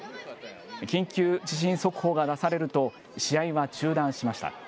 緊急地震速報が出されると、試合は中断しました。